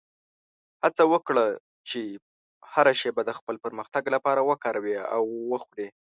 هڅه وکړه چې هره شېبه د خپل پرمختګ لپاره وکاروې او وخورې.